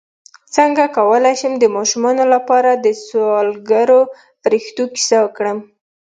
څنګه کولی شم د ماشومانو لپاره د سوالګرو فرښتو کیسه وکړم